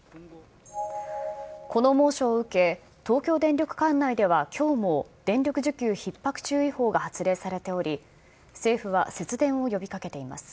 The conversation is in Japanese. この猛暑を受け、東京電力管内では、きょうも電力需給ひっ迫注意報が発令されており、政府は節電を呼びかけています。